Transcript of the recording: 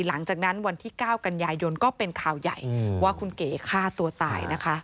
หลังจากที่วันที่๙กันยายนก็เป็นข่าวใหญ่ว่าคุณเก๋ฆ่าตัวตายนะคะ